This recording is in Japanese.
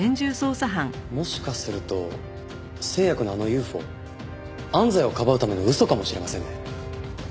もしかすると星也くんのあのＵＦＯ安西をかばうための嘘かもしれませんね。